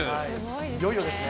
いよいよですね。